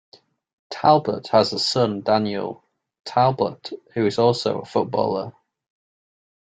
Talbot has a son, Daniel Talbot, who is also a footballer.